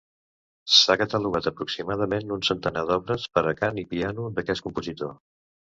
S'ha catalogat aproximadament un centenar d'obres per a cant i piano d'aquest compositor.